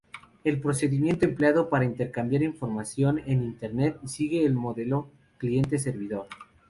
El procedimiento empleado para intercambiar información en Internet sigue el modelo cliente-servidor.